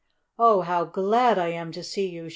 "Oh, how glad I am to see you!"